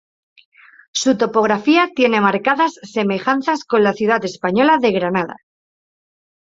Su topografía tiene marcadas semejanzas con la ciudad española de Granada.